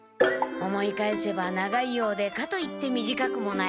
思い返せば長いようでかといって短くもない。